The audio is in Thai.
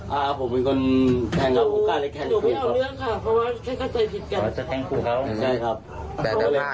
จะแทงคู่เขา